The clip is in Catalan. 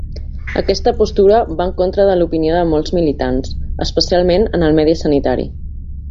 Aquesta postura va en contra de l'opinió de molts militants, especialment en el medi sanitari.